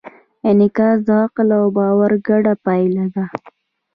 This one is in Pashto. انعکاس د عقل او باور ګډه پایله ده.